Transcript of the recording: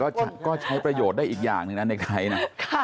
ก็ใช้ประโยชน์ได้อีกอย่างหนึ่งนะในไทยนะ